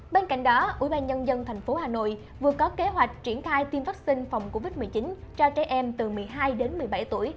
bên cạnh đó ủy ban nhân dân thành phố hà nội vừa có kế hoạch triển khai tiêm vaccine phòng covid một mươi chín cho trẻ em từ một mươi hai đến một mươi bảy tuổi